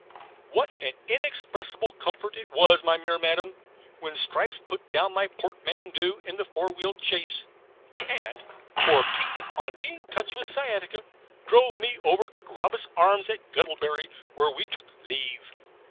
What an inexpressible comfort it was, my dear Madam, when Stripes put my portmanteau in the four wheeled chaise, and (poor P on being touched with sciatica) drove me over to 'Carabas Arms' at Guttlebury, where we took leave.